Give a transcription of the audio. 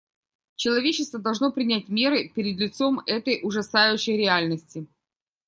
Человечество должно принять меры перед лицом этой ужасающей реальности.